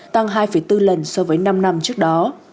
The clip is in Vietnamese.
tăng hai bốn lần so với năm năm trước đó